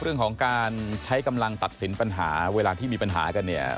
เรื่องของการใช้กำลังตัดสินปัญหาเวลาที่มีปัญหากันเนี่ย